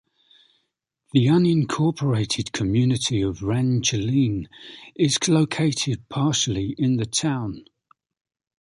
The unincorporated community of Rangeline is located partially in the town.